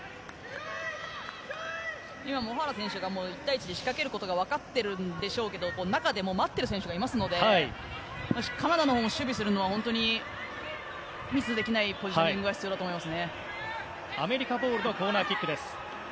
オ・ハラ選手が１対１で仕掛けることが分かっているんでしょうけど中で待っている選手がいるのでカナダのほうも守備するのは本当に、ミスできないポジショニングが必要だと思います。